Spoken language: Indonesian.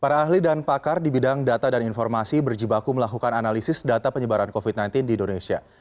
para ahli dan pakar di bidang data dan informasi berjibaku melakukan analisis data penyebaran covid sembilan belas di indonesia